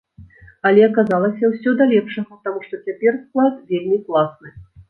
Але, аказалася, усё да лепшага, таму што цяпер склад вельмі класны!